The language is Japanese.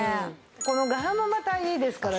この柄もまたいいですからね。